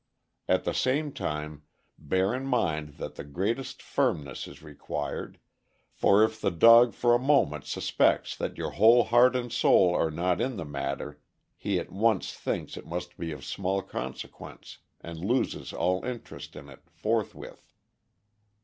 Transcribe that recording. At the same time, bear in mind that the greatest firmness is required, for if the dog for a moment suspects that your whole heart and soul are not in the matter, he at once thinks it must be of small consequence and loses all inter est in it forthwith.